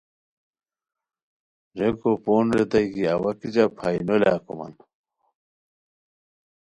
ریکو پون ریتائے کی اوا کیچہ پھائے نولاکومان